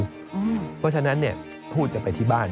เพราะฉะนั้นทูตจะไปที่บ้าน